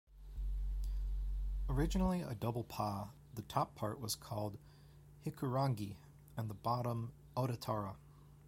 Originally a double pa, the top part was called Hikurangi and the bottom Otatara.